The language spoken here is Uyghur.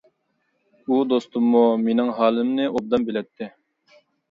ئۇ دوستۇممۇ مىنىڭ ھالىمنى ئوبدان بىلەتتى.